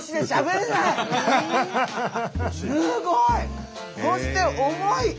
すごい！そして重い！